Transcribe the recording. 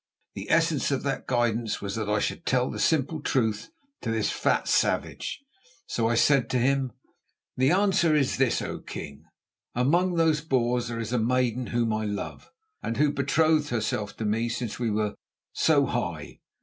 The essence of that guidance was that I should tell the simple truth to this fat savage. So I said to him: "The answer is this, O king. Among those Boers is a maiden whom I love and who betrothed herself to me since we were 'so high.